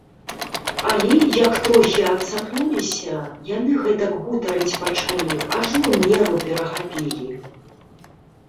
Але, як трохі адсапнуліся, яны гэтак гутарыць пачалі, ажно меру перахапілі.